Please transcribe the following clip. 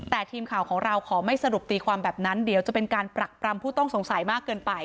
แต่ทีมข่าวของเราขอไม่สรุปตีความแบบนั้นเดี๋ยวจะเป็นการปรักปรำผู้ต้องสงสัยมากเกินไป